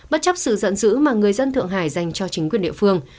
bất chấp sự giận dữ mà người dân thượng hải dành cho chính quyền địa phương